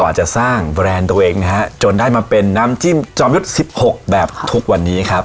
อาจจะสร้างแบรนด์ตัวเองนะฮะจนได้มาเป็นน้ำจิ้มจอมยุทธ์๑๖แบบทุกวันนี้ครับ